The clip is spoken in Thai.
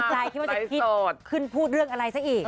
ใครคิดว่าจะคิดขึ้นพูดเรื่องอะไรซะอีก